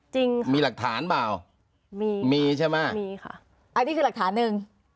จริงมีหลักฐานเปล่ามีมีใช่ไหมมีค่ะอันนี้คือหลักฐานหนึ่ง